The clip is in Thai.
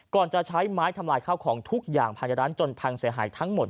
จะใช้ไม้ทำลายข้าวของทุกอย่างภายในร้านจนพังเสียหายทั้งหมด